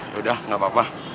yaudah gak apa apa